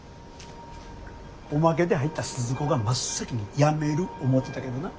おまけで入った鈴子が真っ先にやめる思うてたけどな。